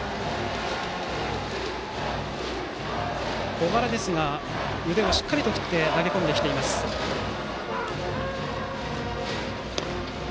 小柄ですが、腕をしっかり振って投げ込んできています三宅。